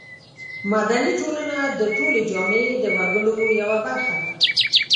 مدني ټولنه د ټولې جامعې د وګړو یوه برخه ده.